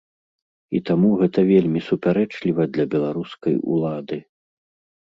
І таму гэта вельмі супярэчліва для беларускай улады.